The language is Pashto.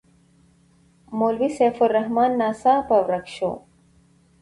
مولوي سیف الرحمن ناڅاپه ورک شو.